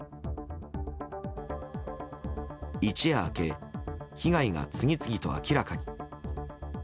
一夜明け、被害が次々と明らかに。